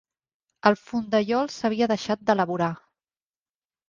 El fondellol s'havia deixat d'elaborar.